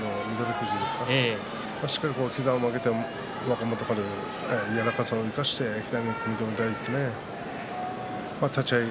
富士ですからしっかり膝を曲げて若元春は柔らかさを生かして組み止めたいですね。